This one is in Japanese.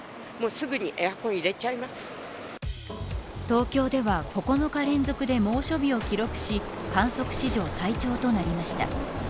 東京では９日連続で猛暑日を記録し観測史上最長となりました。